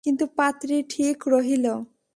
কিন্তু পাত্রী ঠিক রহিল।